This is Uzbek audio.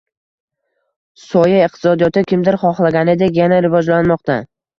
Soya iqtisodiyoti, kimdir xohlaganidek, yana rivojlanmoqda